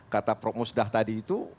kata prof musdah tadi itu